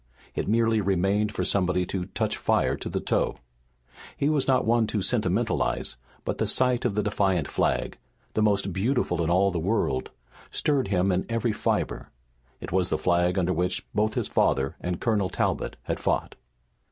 It merely remained for somebody to touch fire to the tow. He was not one to sentimentalize, but the sight of the defiant flag, the most beautiful in all the world, stirred him in every fiber. It was the flag under which both his father and Colonel Talbot had fought.